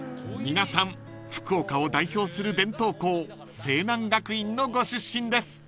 ［皆さん福岡を代表する伝統校西南学院のご出身です］